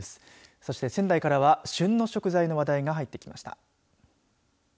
そして仙台からは旬の食材の話題が入ってきました。